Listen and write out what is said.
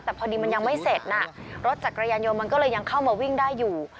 แต่พอดีมันยังไม่เสร็จน่ะรถจักรยานยนต์มันก็เลยยังเข้ามาวิ่งได้อยู่